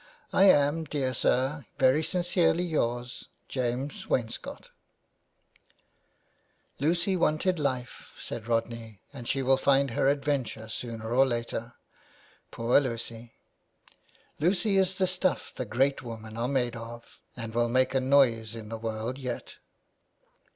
"' I am, dear sir, "' Very sincerely yours, '"James Wainscott.' " 413 THE WAY BACK. " Lucy wanted life," said Rodney, " and she will find her adventure sooner or later. Poor Lucy!" " Lucy is the stuff the great women are made of, and will make a noise in the world yet."